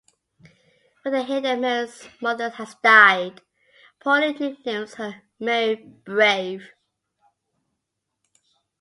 When they hear that Mary's mother has died, Paulie nicknames her Mary Brave.